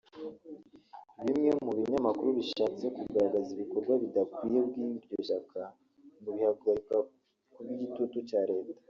Bimwe mu binyamakuru bishatse kugaragaza ibikorwa bidakwiye by’iryo shyaka ngo bihagarikwa ku bw’igitutu cya leta